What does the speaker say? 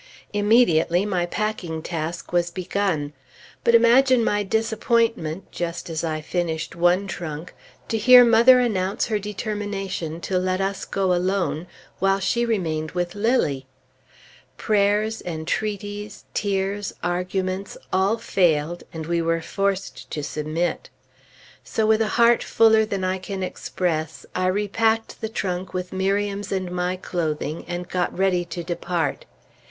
Immediately my packing task was begun. But imagine my disappointment, just as I had finished one trunk, to hear mother announce her determination to let us go alone, while she remained with Lilly! Prayers, entreaties, tears, arguments, all failed; and we were forced to submit. So with a heart fuller than I can express, I repacked the trunk with Miriam's and my clothing, and got ready to depart.